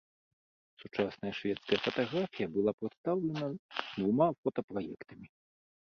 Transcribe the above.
Сучасная шведская фатаграфія была прадстаўлена двума фота-праектамі.